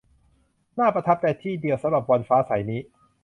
น่าประทับใจที่เดียวสำหรับวันฟ้าใสนี้